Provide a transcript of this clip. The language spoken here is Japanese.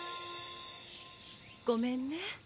ごめんね。